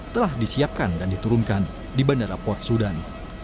telah disiapkan dan diturunkan di bandara port sudan